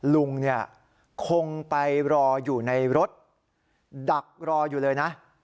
ลุงเนี่ยคงไปรออยู่ในรถดักรออยู่เลยนะ